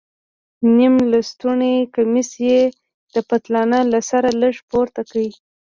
نيم لستوڼى کميس يې د پتلانه له سره لږ پورته کړ.